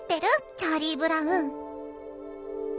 チャーリー・ブラウン」。